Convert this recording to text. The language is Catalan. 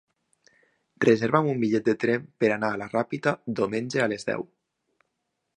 Reserva'm un bitllet de tren per anar a Sant Carles de la Ràpita diumenge a les deu.